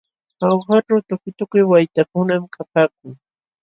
Jaujaćhu tukituki waytakunam kapaakun.